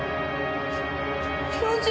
教授。